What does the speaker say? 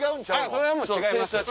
それはもう違います。